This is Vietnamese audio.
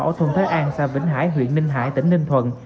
ở thôn thái an xa vĩnh hải huyện ninh hải tỉnh ninh thuận